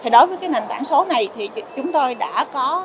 đối với nền tảng số này chúng tôi đã có